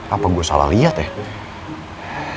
apa gue salah lihat ya